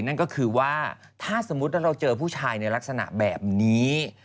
นั่นก็คือว่าถ้าสมมุติว่าเราเจอผู้ชายในลักษณะแบบนี้